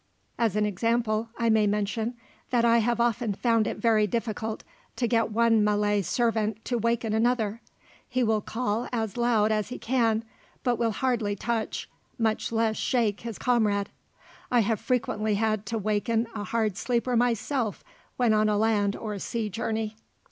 As an example, I may mention that I have often found it very difficult to get one Malay servant to waken another. He will call as loud as he can, but will hardly touch, much less shake his comrade. I have frequently had to waken a hard sleeper myself when on a land or sea journey.